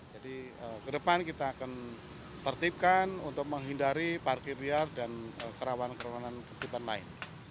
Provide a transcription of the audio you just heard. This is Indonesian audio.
jadi ke depan kita akan tertipkan untuk menghindari parkir biar dan kerawan kerawan kekutipan lain